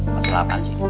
masalah apa sih